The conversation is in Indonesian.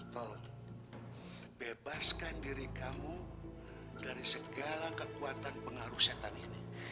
tolong bebaskan diri kamu dari segala kekuatan pengaruh setan ini